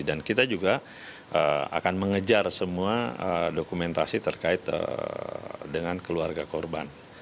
dan kita juga akan mengejar semua dokumentasi terkait dengan keluarga korban